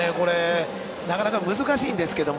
なかなか難しいんですけど。